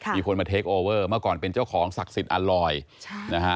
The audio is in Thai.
มีคนมาเทคโอเวอร์เมื่อก่อนเป็นเจ้าของศักดิ์สิทธิ์อัลลอยนะฮะ